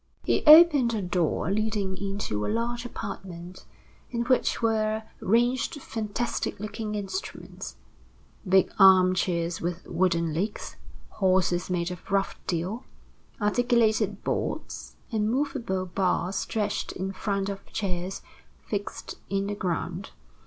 He opened a door leading into a large apartment, in which were ranged fantastic looking instruments, big armchairs with wooden legs, horses made of rough deal, articulated boards, and movable bars stretched in front of chairs fixed in the ground.